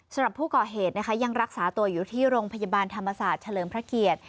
สำหรับผู้ก่อเหตุนะคะยังรักษาตัวอยู่ที่โรงพยาบาลธรรมศาสตร์เฉลิมพระเกียรติ